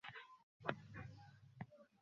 নাহ, লাগবে না।